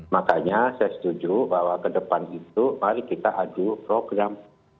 makanya saya setuju bahwa ke depan itu mari kita adu program